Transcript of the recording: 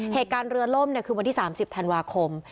เหตุการณ์เรือล่มคือวันที่๓๐ธันวาคม